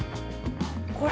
◆これ？